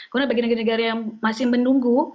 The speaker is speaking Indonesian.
kemudian bagi negara negara yang masih menunggu